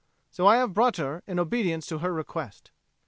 So I have brought her in obedience to her request."